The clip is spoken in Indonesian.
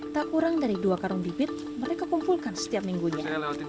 tak kurang dari dua karung bibit mereka kumpulkan setiap minggunya